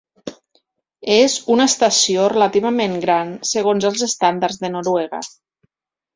És una estació relativament gran segons els estàndards de Noruega.